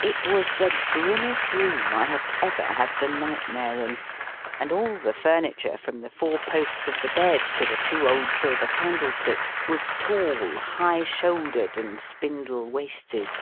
It was the grimmest room I have ever had the nightmare in; and all the furniture, from the four posts of the bed to the two old silver candle sticks, was tall, high shouldered, and spindle waisted.